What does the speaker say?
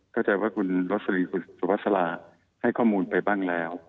เข้าใจว่าคุณรสลิคุณสุภาษาลาให้ข้อมูลไปบ้างแล้ว